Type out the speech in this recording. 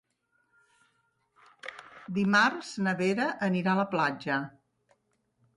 Dimarts na Vera anirà a la platja.